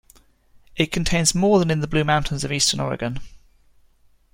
It contains more than in the Blue Mountains of eastern Oregon.